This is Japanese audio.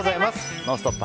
「ノンストップ！」